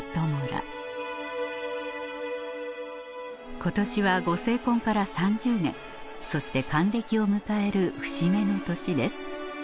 今年はご成婚から３０年そして還暦を迎える節目の年です